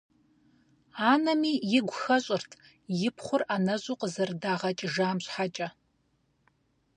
Анэми игу хэщӏырт и пхъур ӏэнэщӏу къызэрыдагъэкӏыжам щхьэкӏэ.